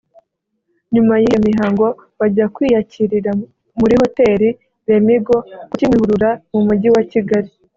nyuma y’iyo mihango bajya kwiyakirira muri hoteli Lemigo ku Kimuhurura mu mujyi wa Kigali